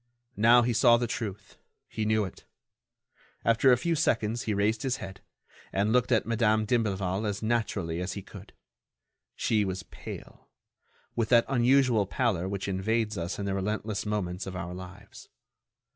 Now, he saw the truth; he knew it. After a few seconds, he raised his head, and looked at Madame d'Imblevalle as naturally as he could. She was pale—with that unusual pallor which invades us in the relentless moments of our lives.